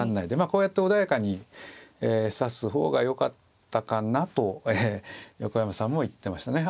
こうやって穏やかに指す方がよかったかなと横山さんも言ってましたね。